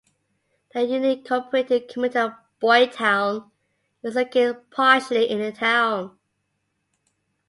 The unincorporated community of Boydtown is located partially in the town.